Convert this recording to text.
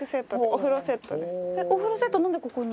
お風呂セットなんでここに？